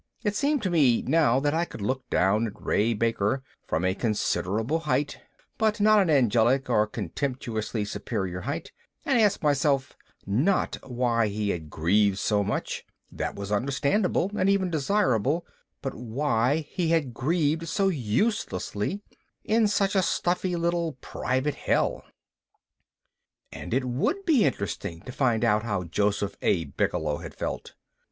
It seemed to me now that I could look down at Ray Baker from a considerable height (but not an angelic or contemptuously superior height) and ask myself not why he had grieved so much that was understandable and even desirable but why he had grieved so uselessly in such a stuffy little private hell. And it would be interesting to find out how Joseph A. Bigelow had felt.